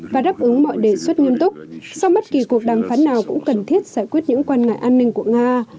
và đáp ứng mọi đề xuất nghiêm túc sau bất kỳ cuộc đàm phán nào cũng cần thiết giải quyết những quan ngại an ninh của nga